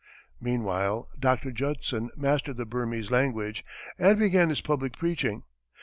Meanwhile, Dr. Judson mastered the Burmese language and began his public preaching.